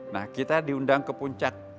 nah kita diundang ke puncak